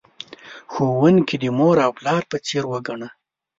ښوونکی د مور او پلار په څیر وگڼه.